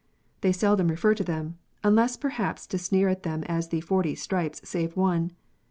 They seldom refer to them, unless perhaps to sneer at them as the " forty stripes save one."